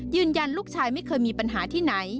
ยืนยันลูกชายไม่เคยมีปัญหาที่ไหน